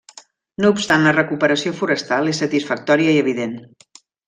No obstant la recuperació forestal és satisfactòria i evident.